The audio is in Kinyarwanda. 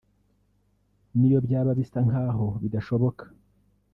niyo byaba bisa nk’aho bidashoboka